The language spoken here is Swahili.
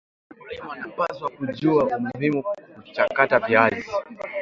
mkulima anapaswa kujua umuhimuwa kuchakata viazi